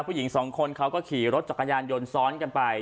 ผู้หญิงสองคนเขาก็ขี่รถจักรยานยนต์ซ้อนกันไป